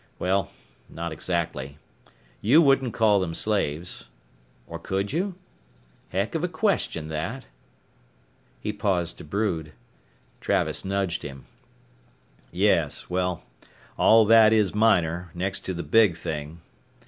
Well not exactly. You couldn't call them slaves. Or could you? Heck of a question, that " He paused to brood. Travis nudged him. "Yes. Well, all that is minor, next to the big thing.